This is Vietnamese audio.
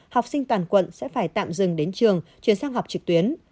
học sinh toàn quận sẽ phải tạm dừng đến trường chuyển sang học trực tuyến